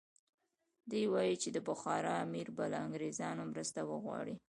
دی وایي چې د بخارا امیر به له انګریزانو مرسته وغواړي.